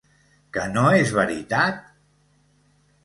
Que no és veritat?